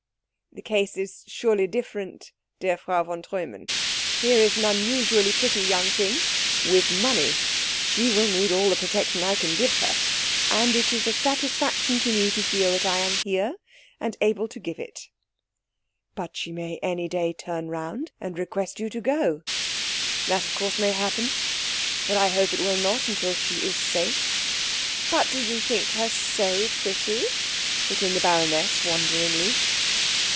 "The case was surely different, dear Frau von Treumann. Here is an unusually pretty young thing, with money. She will need all the protection I can give her, and it is a satisfaction to me to feel that I am here and able to give it." "But she may any day turn round and request you to go." "That of course may happen, but I hope it will not until she is safe." "But do you think her so pretty?" put in the baroness wonderingly.